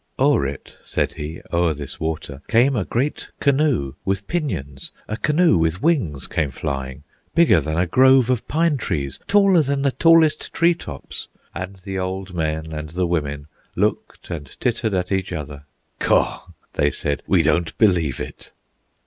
O'er it, said he, o'er this water Came a great canoe with pinions, A canoe with wings came flying, Bigger than a grove of pine trees, Taller than the tallest tree tops! And the old men and the women Looked and tittered at each other; "Kaw!" they said, "we don't believe it!"